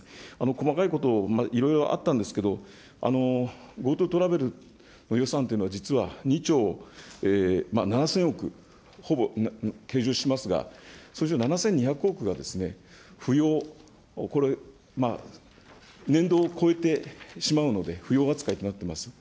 細かいことをいろいろあったんですけど、ＧｏＴｏトラベルの予算というのは、実は２兆７０００億、ほぼ計上しますが、そのうちの７２００億がふよう、これ、年度を越えてしまうのでふよう扱いとなっています。